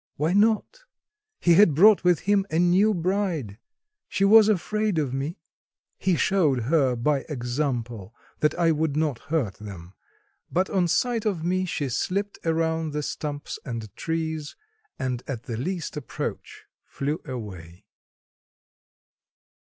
Why not? He had brought with him a new bride. She was afraid of me. He showed her by example that I would not hurt them, but on sight of me she slipped around the stumps and trees, and at the least approach flew away.